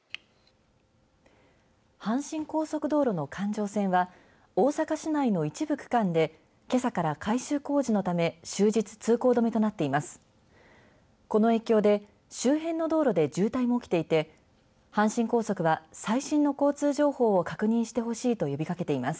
阪神高速道路の環状線は大阪市内の一部区間でけさから改修工事のため終日通行止めとなっています。